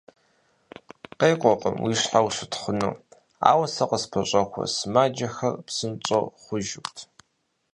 КъекӀуркъым уи щхьэ ущытхъуну, ауэ сэ къыспэщӀэхуэ сымаджэхэр псынщӀэу хъужырт.